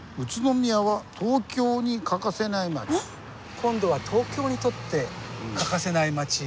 今度は東京にとって欠かせない町。